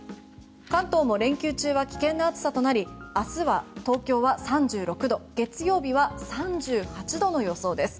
関東も連休中は危険な暑さとなり明日は東京は３６度月曜日は３８度の予想です。